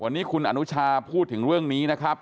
วันนี้คุณอนุชาพูดถึงเรื่องนี้นะครับ